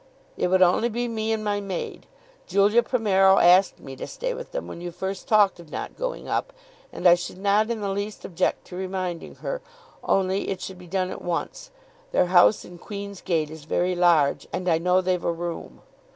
It would only be me and my maid. Julia Primero asked me to stay with them when you first talked of not going up, and I should not in the least object to reminding her, only it should be done at once. Their house in Queen's Gate is very large, and I know they've a room.